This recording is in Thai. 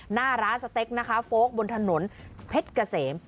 หน้าร้านสเต็กนะคะโฟลกบนถนนเพชรเกษม